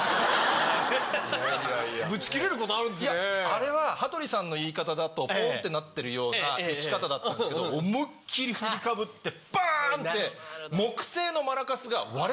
あれは羽鳥さんの言い方だとポンってなってるような打ち方だったんですけど思いっきり振りかぶってバン！って。え！